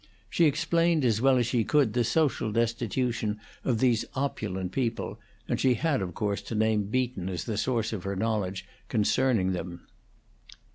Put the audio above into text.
She explained as well as she could the social destitution of these opulent people, and she had of course to name Beaton as the source of her knowledge concerning them.